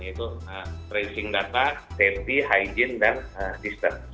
yaitu tracing data safety hygiene dan system